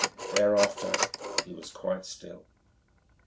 Thereafter he was quite still.